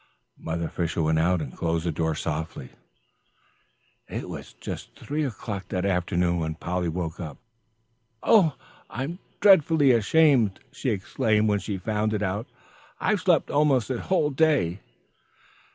Mother Fisher went out and closed the door softly. It was just three o'clock that afternoon when Polly woke up. "Oh, I'm dreadfully ashamed!" she exclaimed when she found it out. "I've slept almost this whole day!"